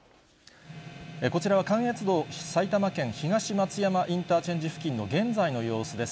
こちらは関越道、埼玉県東松山インターチェンジ付近の現在の様子です。